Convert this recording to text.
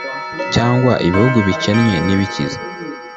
cyangwa Ibihugu bikennye n’ibikize